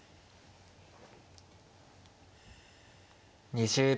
２０秒。